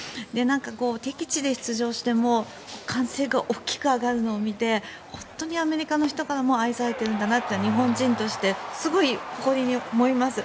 敵地で出場しても歓声が大きく上がるのを見て本当にアメリカの人からも愛されているんだなと日本人としてすごい誇りに思います。